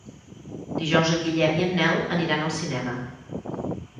Dijous en Guillem i en Nel aniran al cinema.